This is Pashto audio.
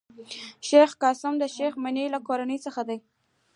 شېخ قاسم د شېخ مني له کورنۍ څخه دﺉ.